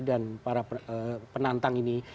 dan para penantang ini